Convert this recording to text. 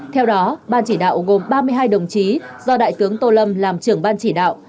theo đó ban chỉ đạo gồm ba mươi hai đồng chí do đại tướng tô lâm làm trưởng ban chỉ đạo